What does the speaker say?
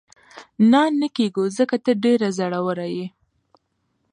نه، نه کېږو، ځکه ته ډېره زړوره یې.